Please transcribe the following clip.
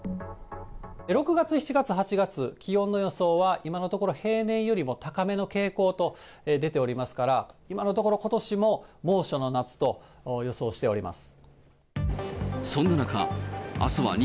６月、７月、８月、気温の予想は、今のところ平年よりも高めの傾向と出ておりますから、今のところ、ことしも猛暑の夏と予想しております。